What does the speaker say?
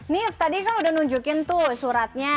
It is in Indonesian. nif tadi kan udah nunjukin tuh suratnya